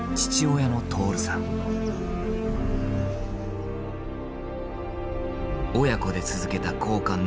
親子で続けた交換ノート。